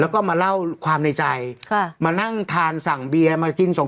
แล้วก็มาเล่าความในใจค่ะมานั่งทานสั่งเบียร์มากินส่ง